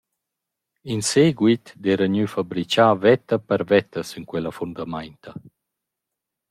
In seguit d’eira gnü fabrichà vetta per vetta sün quella fundamainta.